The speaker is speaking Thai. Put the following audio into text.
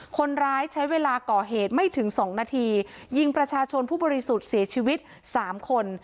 คนร้ายใช้เวลาก่อเหตุไม่ถึงสองนาทียิงประชาชนผู้บริสุทธิ์เสียชีวิตสามคน